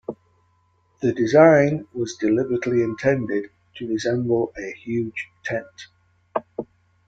The design was deliberately intended to resemble a huge tent.